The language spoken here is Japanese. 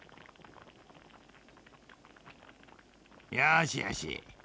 よしよし。